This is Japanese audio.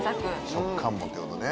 食感もっていうことね。